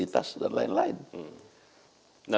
harus ada indikator penilaian kinerja